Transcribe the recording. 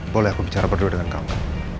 boleh aku bicara berdua dengan kamu